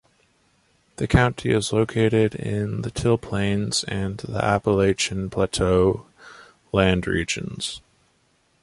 The county is located in the Till Plains and the Appalachian Plateau land regions.